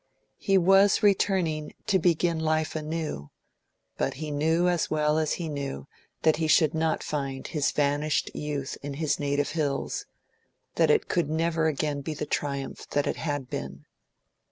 He was returning to begin life anew, but he knew as well as he knew that he should not find his vanished youth in his native hills, that it could never again be the triumph that it had been.